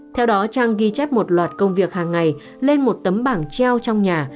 theo đó trang ghi chép một loạt công việc hàng ngày lên một tấm bảng treo trong nhà